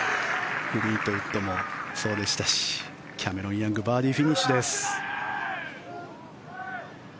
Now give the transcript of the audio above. フリートウッドもそうでしたしキャメロン・ヤングバーディーフィニッシュです。